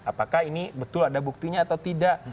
apakah ini betul ada buktinya atau tidak